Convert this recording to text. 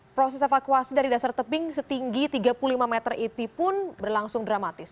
proses evakuasi dari dasar tebing setinggi tiga puluh lima meter iti pun berlangsung dramatis